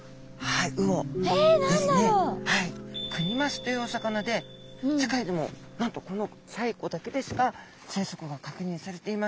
はいクニマスというお魚で世界でもなんとこの西湖だけでしか生息が確認されていません。